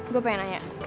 gue pengen nanya